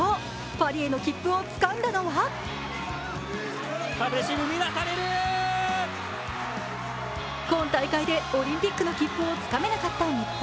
パリへの切符をつかんだのは今大会でオリンピックの切符をつかめなかった日本。